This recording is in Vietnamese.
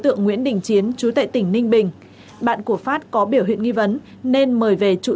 tượng nguyễn đình chiến chú tại tỉnh ninh bình bạn của phát có biểu hiện nghi vấn nên mời về trụ